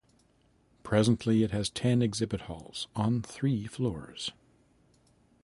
Presently, it has ten exhibition halls, on three floors.